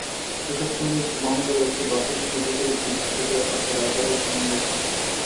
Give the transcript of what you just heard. পোশাকশ্রমিক বহনকারী একটি বাসের সঙ্গে বিপরীত দিক থেকে আসা রাইডারের সংঘর্ষ হয়।